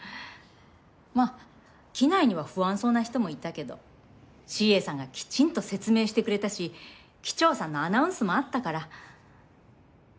まあ機内には不安そうな人もいたけどＣＡさんがきちんと説明してくれたし機長さんのアナウンスもあったから。